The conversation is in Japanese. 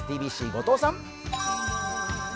ＴＢＣ、後藤さん。